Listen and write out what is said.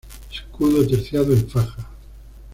Escudo terciado en faja.